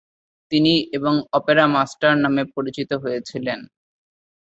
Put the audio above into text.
তিনি এবং ‘opera master’ নামে পরিচিত হয়েছিলেন।